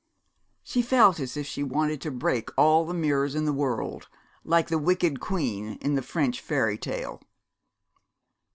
She felt as if she wanted to break all the mirrors in the world, like the wicked queen in the French fairy tale.